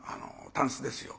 タンスですよ。